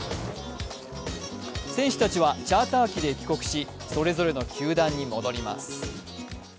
選手たちはチャーター機で帰国しそれぞれの球団に戻ります。